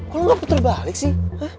kok lu nggak puter balik sih